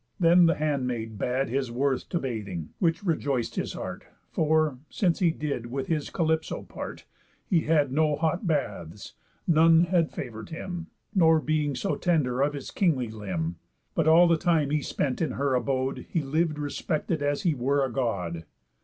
Then the handmaid bad His worth to bathing; which rejoic'd his heart, For, since he did with his Calypso part, He had no hot baths; none had favour'd him, Nor been so tender of his kingly limb. But all the time he spent in her abode, He liv'd respected as he were a God.